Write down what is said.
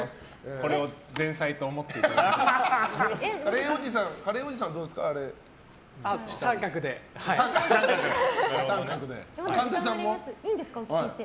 これを前菜と思っていただいて。